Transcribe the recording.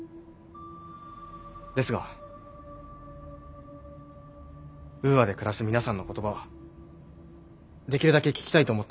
ですがウーアで暮らす皆さんの言葉はできるだけ聞きたいと思っています。